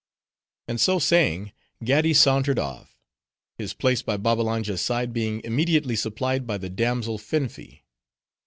And so saying, Gaddi sauntered off; his place by Babbalanja's side being immediately supplied by the damsel Finfi.